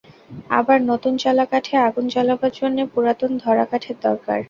আবার নূতন চালা কাঠে আগুন জ্বালাবার জন্যে পুরাতন ধরা-কাঠের দরকার।